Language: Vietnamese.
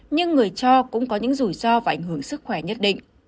nhưng người cho cũng có những rủi ro và ảnh hưởng sức khỏe nhất định